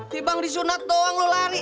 dibang disunat doang lu lari